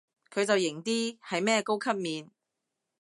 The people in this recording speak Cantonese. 佢就型啲，係咩高級面